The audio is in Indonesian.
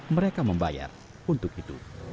mereka membayar untuk itu